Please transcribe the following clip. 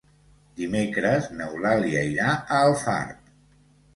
Dimecres n'Eulàlia irà a Alfarb.